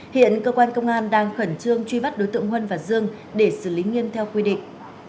hiện cơ quan công an đang khẩn trương truy bắt đối tượng huân và dương để xử lý nghiêm theo quy định